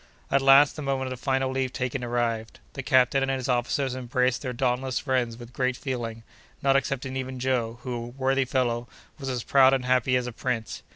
At last the moment of final leave taking arrived. The captain and his officers embraced their dauntless friends with great feeling, not excepting even Joe, who, worthy fellow, was as proud and happy as a prince.